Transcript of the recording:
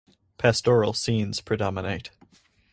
Pastoral scenes predominate.